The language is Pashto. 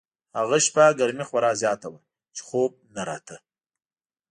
هغه شپه ګرمي خورا زیاته وه چې خوب یې نه راته.